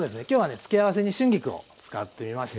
付け合わせに春菊を使ってみました。